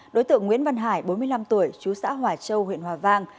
đối tượng nguyễn văn hải bốn mươi năm tuổi chú xã hòa châu huyện hòa vang